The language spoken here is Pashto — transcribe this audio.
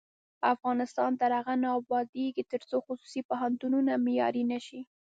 افغانستان تر هغو نه ابادیږي، ترڅو خصوصي پوهنتونونه معیاري نشي.